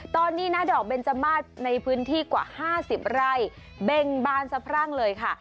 ตอนนี้นะดอกเบนจมาสในพื้นที่กว่า๕๐ไร่เบ่งบานสะพรั่งเลยค่ะ